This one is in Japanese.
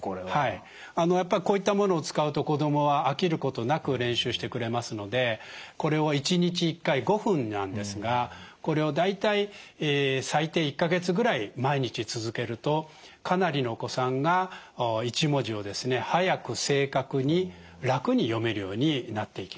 はいやっぱりこういったものを使うと子どもは飽きることなく練習してくれますのでこれを１日１回５分なんですがこれを大体最低１か月ぐらい毎日続けるとかなりのお子さんが１文字を速く正確に楽に読めるようになっていきます。